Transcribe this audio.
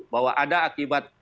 bahwa ada akibat